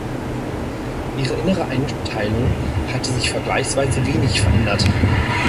Ihre innere Einteilung hatte sich vergleichsweise wenig verändert.